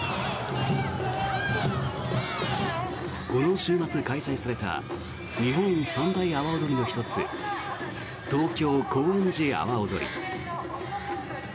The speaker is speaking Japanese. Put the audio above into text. この週末、開催された日本三大阿波おどりの１つ東京高円寺阿波おどり。